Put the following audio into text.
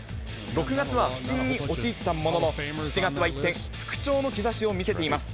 ６月は不振に陥ったものの、７月は一転、復調の兆しを見せています。